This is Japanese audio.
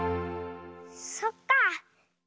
そっか。